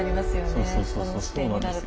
そうそうそうそうそうなんですよ。